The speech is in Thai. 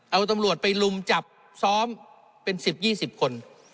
เอาตำรวจไปลุมจับซ้อมเป็นสิบยี่สิบคน